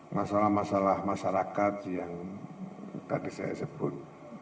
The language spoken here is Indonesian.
masalah masalah masyarakat yang tadi saya sebut